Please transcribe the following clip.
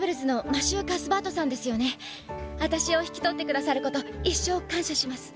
あたしを引き取ってくださること一生感謝します。